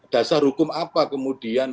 dasar hukum apa kemudian